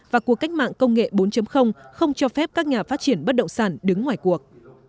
và cuộc cách mạng công nghệ bốn không cho phép các nhà phát triển bất động sản đứng ngoài cuộc